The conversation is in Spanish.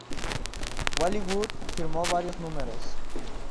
Wally Wood firmo varios números.